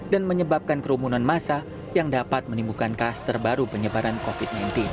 dan menyebabkan kerumunan masa yang dapat menimbulkan kasus terbaru penyebaran covid sembilan belas